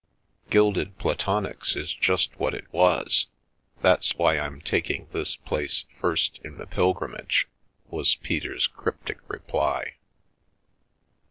" Gilded platonics is just what it was. That's why I'm taking this place first in the pilgrimage," was Peter's cryptic reply.